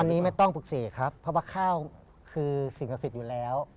อันนี้ไม่ต้องปลูกเสกครับเพราะว่าข้าวคือสิ่งศักดิ์สิทธิ์อยู่แล้ว